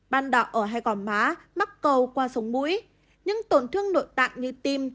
bắt đỏ ở hai cỏ má mắc cầu qua sống mũi những tổn thương nội tạng như tim